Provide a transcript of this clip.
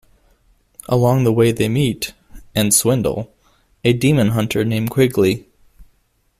Along the way they meet, and swindle, a demon hunter named Quigley.